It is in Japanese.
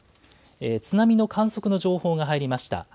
津波の観測の情報が入りました。